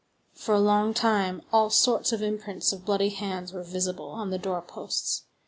For a long time, all sorts of imprints of bloody hands were visible on the door posts.